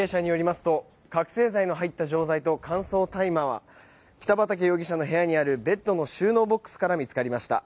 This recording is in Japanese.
捜査関係者によりますと覚醒剤の入った錠剤と乾燥大麻は北畠容疑者の部屋にあるベッドの収納ボックスから見つかりました。